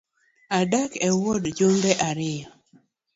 Odak e wuod jumbe ariyo